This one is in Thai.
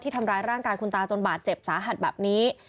ทำร้ายร่างกายคุณตาจนบาดเจ็บสาหัสแบบนี้